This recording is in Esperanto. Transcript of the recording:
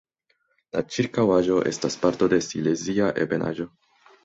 La ĉirkaŭaĵo estas parto de Silezia ebenaĵo.